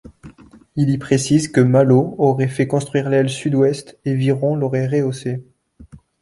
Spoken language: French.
Il y précise que Malo aurait fait construire l'aile sud-ouest et Viron l'aurait rehaussée.